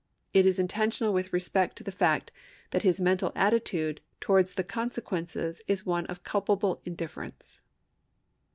It is intentional with respect to the fact that his mental attitude towards the consequences is one of culpable indifference.